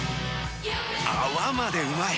泡までうまい！